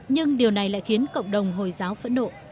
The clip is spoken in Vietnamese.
nhưng điều này lại khiến cộng đồng hồi giáo phẫn nộ